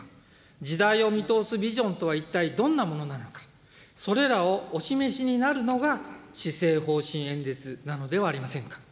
時代を見通すビジョンとは一体どんなものなのか、それらをお示しになるのが施政方針演説なのではありませんか。